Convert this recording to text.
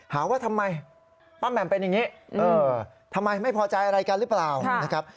หาว่าทำไมป้าแหม่มเป็นอย่างนี้ทำไมไม่พอใจอะไรกันหรือเปล่านะครับ